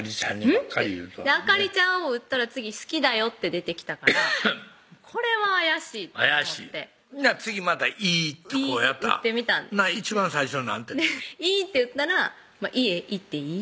「あかりちゃん」を打ったら次「好きだよ」って出てきたからこれは怪しいと思って怪しい次また「い」とこうやった一番最初何て「い」って打ったら「家行っていい？」